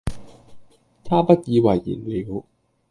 他不以爲然了。